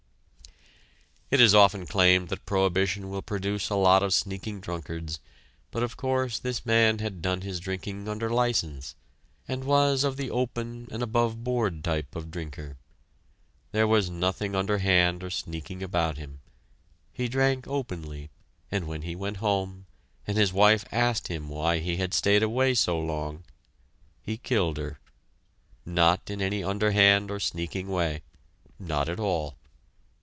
It is often claimed that prohibition will produce a lot of sneaking drunkards, but, of course, this man had done his drinking under license, and was of the open and above board type of drinker. There was nothing underhand or sneaking about him. He drank openly, and when he went home, and his wife asked him why he had stayed away so long, he killed her not in any underhand or sneaking way. Not at all.